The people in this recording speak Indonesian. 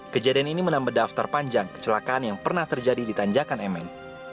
kejadian ini menambah daftar panjang kecelakaan yang pernah terjadi di tanjakan mn